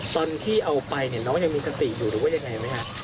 ตอนที่เอาไปเนี่ยน้องยังมีสติอยู่หรือว่ายังไงไหมฮะ